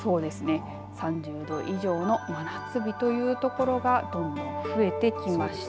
３０度以上の真夏日というところがどんどん増えてきましたね。